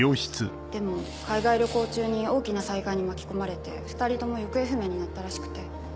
でも海外旅行中に大きな災害に巻き込まれて２人とも行方不明になったらしくて。